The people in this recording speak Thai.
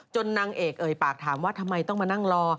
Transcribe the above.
นางเอกเอ่ยปากถามว่าทำไมต้องมานั่งรอ